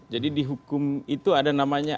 jadi di hukum itu ada namanya